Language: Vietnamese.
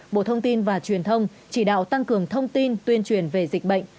một mươi ba bộ thông tin và truyền thông chỉ đạo tăng cường thông tin tuyên truyền về dịch bệnh